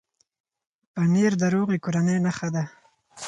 پنېر د روغې کورنۍ نښه ده.